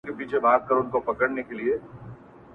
نه وي عشق کي دوې هواوي او یو بامه.